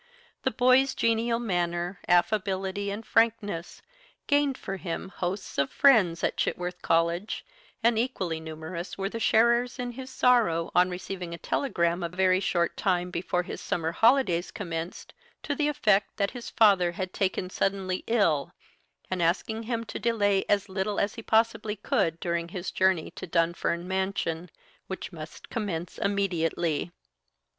The boy's genial manner, affability, and frankness, gained for him hosts of friends at Chitworth College, and equally numerous were the sharers in his sorrow on receiving a telegram a very short time before his summer holidays commenced to the effect that his father had taken suddenly ill, and asking him to delay as little as he possibly could during his journey to Dunfern Mansion, which must commence immediately.